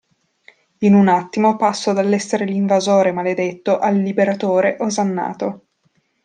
In un attimo passo dall'essere l'invasore maledetto al liberatore osannato.